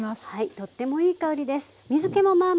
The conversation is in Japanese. とってもいい香りです。